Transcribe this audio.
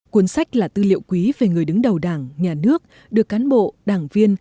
cuốn sách là tư liệu quý về người đứng đầu đảng nhà nước được cán bộ đảng viên